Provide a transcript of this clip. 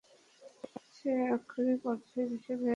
যেন আক্ষরিক অর্থেই বিশাল এক বরফের গোলক।